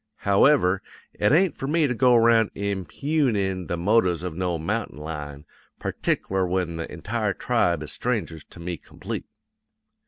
However, it ain't for me to go 'round impugnin' the motives of no mountain lion; partic'lar when the entire tribe is strangers to me complete.